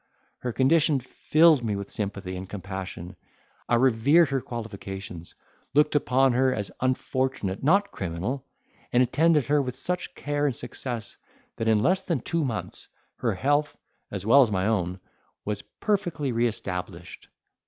Her condition filled me with sympathy and compassion: I revered her qualifications, looked upon her as unfortunate, not criminal, and attended her with such care and success, that in less than two months her health, as well as my own, was perfectly re established.